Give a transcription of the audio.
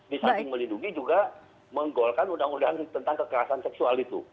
di samping melindungi juga menggolkan undang undang tentang kekerasan seksual itu